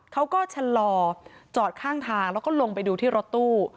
เขาก็ชะลอจอดข้างทางแล้วก็ลงไปดูที่รถตู้